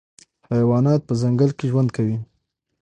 حیوانات په ځنګل کې ژوند کوي.